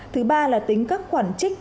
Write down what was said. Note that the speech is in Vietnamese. thứ ba là tính các khoản trích